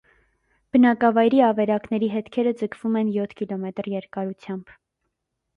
Բնակավայրի ավերակների հետքերը ձգվում են յոթ կմ երկարությամբ։